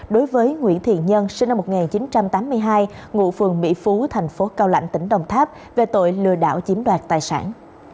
đối với nguyễn thiện nhân sinh năm một nghìn chín trăm tám mươi hai ngụ phường mỹ phú thành phố cao lạnh tỉnh đồng tháp về tội lừa đảo chiếm đoạt tài sản